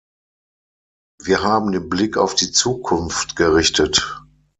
Wir haben den Blick auf die Zukunft gerichtet.